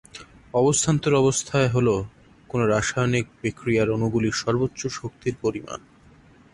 অবস্থান্তর অবস্থায় হল কোন রাসায়নিক বিক্রিয়ার অণুগুলির সর্বোচ্চ শক্তির পরিমাণ।